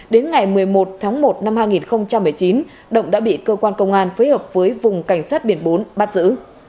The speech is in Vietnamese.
đến ngày một mươi một tháng một năm hai nghìn một mươi chín động đã bị cơ quan công an phối hợp với vùng cảnh sát biển bốn bắt giữ